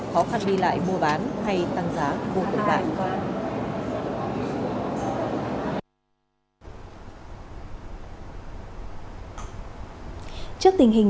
khó khăn đi lại mua bán hay tăng giá vô tổ đại